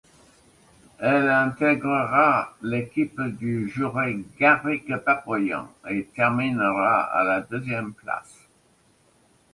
Elle intègrera l'équipe du juré Garik Papoyan, et terminera à la deuxième place.